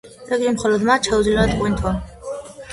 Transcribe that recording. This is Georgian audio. რიგში მხოლოდ მათ შეუძლიათ ყვინთვა.